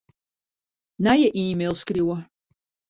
Nije e-mail skriuwe.